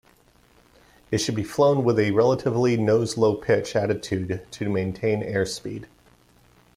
It should be flown with a relatively nose-low pitch attitude to maintain airspeed.